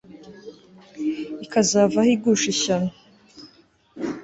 ikazavaho igusha ishyano